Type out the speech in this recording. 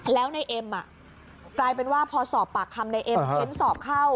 แล้วในเอ็มกลายเป็นว่าพอสอบปากคำในเอ็มเค้นสอบเข้า